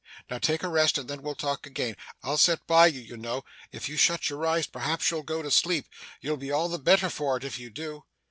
Now, take a rest, and then we'll talk again. I'll sit by you, you know. If you shut your eyes, perhaps you'll go to sleep. You'll be all the better for it, if you do.